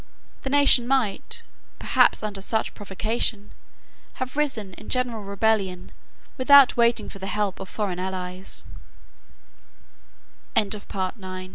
The nation might, perhaps under such provocation, have risen in general rebellion without waiting for the help of foreign alli